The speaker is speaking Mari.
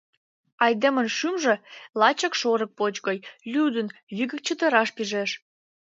Айдемын шӱмжӧ лачак шорык поч гай, лӱдын, вигак чытыраш пижеш.